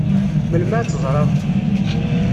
Melmi ad tt-ẓṛeɣ?